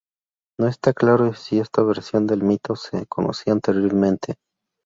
No está claro si esta versión del mito se conocía anteriormente.